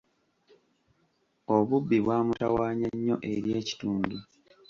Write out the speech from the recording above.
Obubbi bwamutawaana nnyo eri ekitundu.